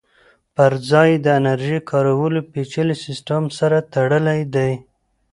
پرځای یې د انرژۍ کارولو پېچلي سیسټم سره تړلی دی